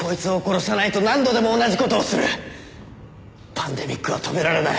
パンデミックは止められない。